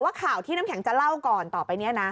ข่าวที่น้ำแข็งจะเล่าก่อนต่อไปนี้นะ